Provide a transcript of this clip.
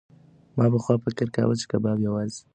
ما پخوا فکر کاوه چې کباب یوازې د شتمنو دی.